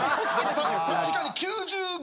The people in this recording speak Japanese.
確かに。